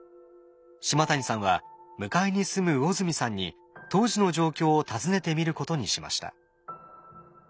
島谷さんは向かいに住む魚住さんに当時の状況を尋ねてみることにしました。